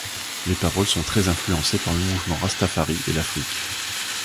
Les paroles sont très influencées par le mouvement rastafari et l'Afrique.